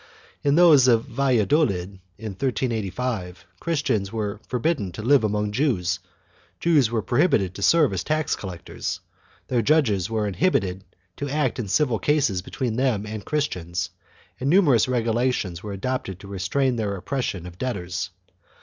In those of Valladolid, in 1385, Christians were forbidden to live among Jews, Jews were prohibited to serve as tax collectors, their judges were inhibited to act in civil cases between them and Christians and numerous regulations were adopted to restrain their oppression of debtors.